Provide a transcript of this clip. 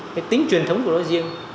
cái tính truyền thống của nó riêng